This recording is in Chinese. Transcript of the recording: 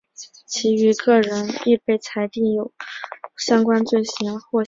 其余各人亦被裁定有相关罪行而获刑。